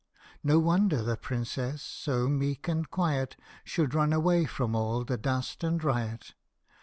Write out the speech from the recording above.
No wonder the Princess, so meek and quiet, Should run away from all the dust and riot.